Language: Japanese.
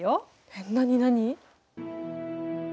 えっ何何？